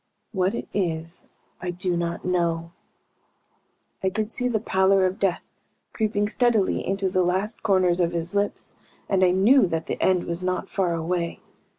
What it is I do not know." I could see the pallor of death creeping steadily into the last corners of his lips, and I knew that the end was not far away.